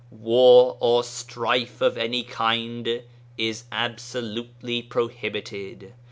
War or strife of any kind is absolutely pro hibited.